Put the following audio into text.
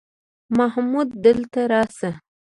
محموده دلته راسه!